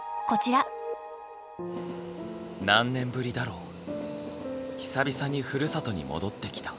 何年ぶりだろう久々にふるさとに戻ってきた。